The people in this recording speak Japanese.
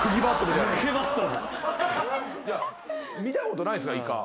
見たことないっすか？